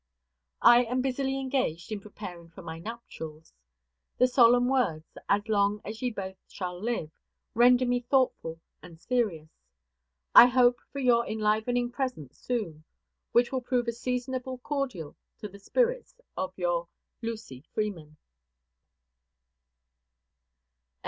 I am busily engaged in preparing for my nuptials. The solemn words, "As long as ye both shall live," render me thoughtful and serious. I hope for your enlivening presence soon, which will prove a seasonable cordial to the spirits of your LUCY FREEMAN.